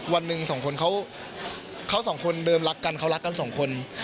วันหนึ่งสองคนเขาสองคนเดิมรักกันเขารักกันสองคน